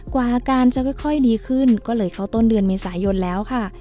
อาการจะค่อยดีขึ้นก็เลยเข้าต้นเดือนเมษายนแล้วค่ะ